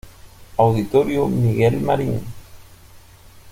Auditorio "Miguel Marín".